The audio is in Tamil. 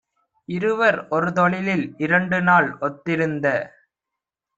இருவர் ஒருதொழிலில் இரண்டுநாள் ஒத்திருந்த